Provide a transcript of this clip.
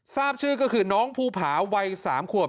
ทราบชื่อก็คือน้องภูผาวัย๓ขวบ